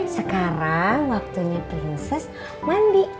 sekarang waktunya prinses mandi